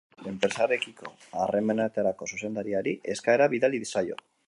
Enpresarekiko Harremanetarako Zuzendariari eskaera bidali zaio.